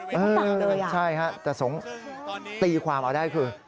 ยังไม่สั่งเลยอ่ะใช่ครับแต่สงตีความเอาได้คือ